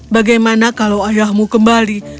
bagaimana kalau ayahmu kembali